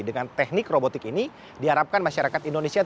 dengan teknik robotik ini diharapkan masyarakat indonesia